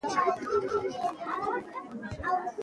غزني د افغانستان د ځمکې د جوړښت یوه ښه نښه ده.